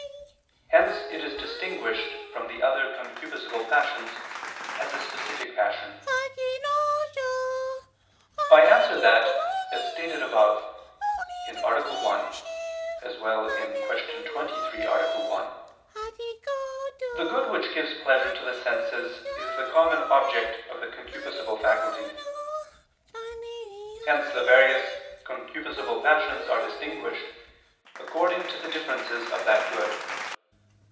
Hence it is distinguished from the other concupiscible passions, as a specific passion. I answer that, As stated above (A. 1; Q. 23, A. 1), the good which gives pleasure to the senses is the common object of the concupiscible faculty. Hence the various concupiscible passions are distinguished according to the differences of that good.